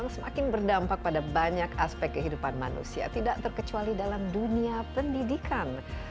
semakin berdampak pada banyak aspek kehidupan manusia tidak terkecuali dalam dunia pendidikan